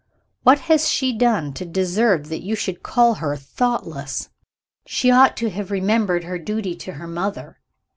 What has she done to deserve that you should call her thoughtless?" "She ought to have remembered her duty to her mother.